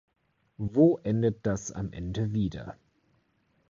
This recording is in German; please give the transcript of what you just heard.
Wo endet das am Ende wieder?